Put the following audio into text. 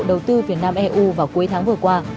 đầu tư việt nam eu vào cuối tháng vừa qua